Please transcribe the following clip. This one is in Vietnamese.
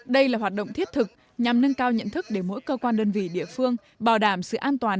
đây là hoạt động thiết thực nhằm nâng cao nhận thức để mỗi cơ quan đơn vị địa phương bảo đảm sự an toàn